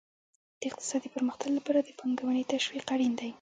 د اقتصادي پرمختګ لپاره د پانګونې تشویق اړین دی.